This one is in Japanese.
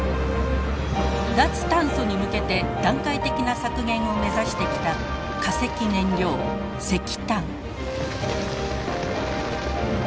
脱炭素に向けて段階的な削減を目指してきた化石燃料石炭。